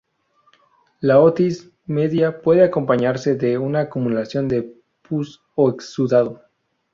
La otitis media puede acompañarse de una acumulación de pus o exudado.